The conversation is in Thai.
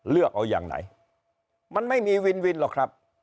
เลือกเอาอย่างไหนมันไม่มีวินวินหรอกครับ